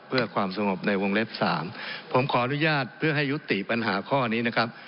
เพื่อความสงบในวงเล็บสามผมขออนุญาตเพื่อให้ยุติปัญหาข้อนี้นะครับ